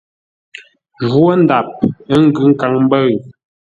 Jwó ndap ə́ ngʉ́ nkaŋ-mbə̂ʉ.